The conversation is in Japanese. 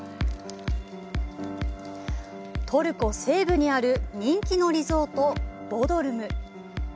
トルコ西部にある人気のリゾート「ボドルム」。